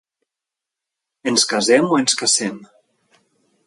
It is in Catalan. Ens casem o ens cacem?